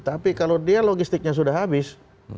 tapi kalau dia logistiknya sudah habis